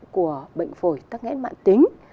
của bệnh phổi tắc nghẽn mạng tính